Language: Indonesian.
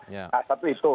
nah satu itu